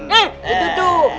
hah itu tuh